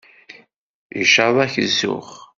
Icaḍ-ak zzux.